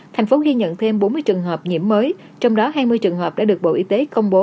thành phố ghi nhận thêm bốn mươi trường hợp nhiễm mới trong đó hai mươi trường hợp đã được bộ y tế công bố